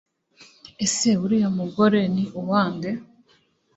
ese uriya mugore ni uwa nde